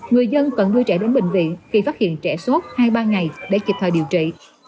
người dân cần đưa trẻ đến bệnh viện khi phát hiện trẻ sốt hai ba ngày để kịp thời điều trị